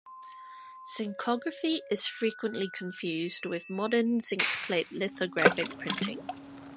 Zincography is frequently confused with modern zinc-plate lithographic printing.